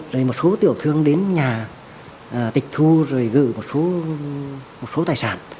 rồi một số tiểu thương đến nhà tịch thu rồi gửi một số tài sản